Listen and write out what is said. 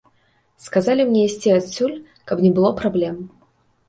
Сказалі мне ісці адсюль, каб не было праблем.